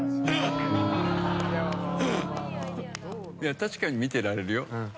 確かに見てられるよ。